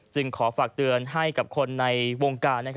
ขอฝากเตือนให้กับคนในวงการ